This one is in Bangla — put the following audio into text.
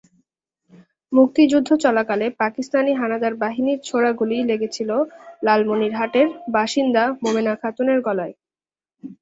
মুক্তিযুদ্ধ চলাকালে পাকিস্তানি হানাদার বাহিনীর ছোড়া গুলি লেগেছিল লালমনিরহাটের বাসিন্দা মোমেনা খাতুনের গলায়।